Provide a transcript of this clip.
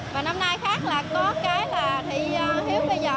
và năm nay khác là có cái là thị hiếu bây giờ